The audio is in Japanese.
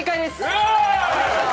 うわ！